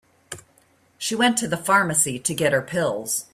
She went to the pharmacy to get her pills.